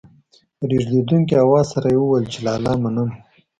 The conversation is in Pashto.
په رېږېدونکي اواز سره يې وويل چې لالا منم.